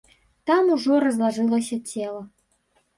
Там ужо разлажылася цела.